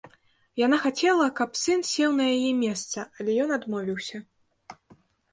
Яна хацела, каб сын сеў на яе месца, але ён адмовіўся.